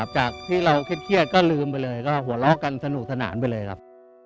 จากที่เราเครียดก็ลืมไปเลยก็หัวเราะกันสนุกสนานไปเลยครับ